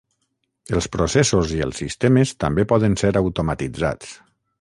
Els processos i els sistemes també poden ser automatitzats.